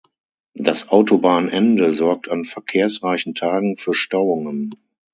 Das Autobahnende sorgt an verkehrsreichen Tagen für Stauungen.